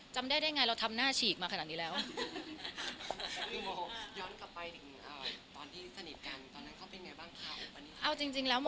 จำได้ได้ไงเราทำหน้าฉีกมาขนาดนี้แล้ว